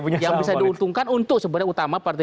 yang bisa diuntungkan untuk sebenarnya